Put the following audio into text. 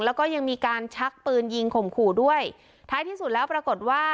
แล้วก็ยังมีการชักปืนยิงข่มขู่ด้วยท้ายที่สุดแล้วปรากฏว่า